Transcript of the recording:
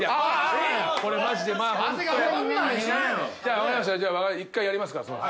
・分かりました１回やりますから。